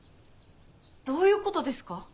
どういうことですか？